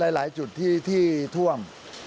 หลายจุดที่ท่วม